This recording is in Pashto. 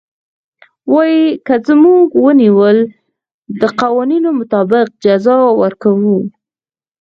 وايي که موږ ونيول د قوانينو مطابق جزا ورکوو.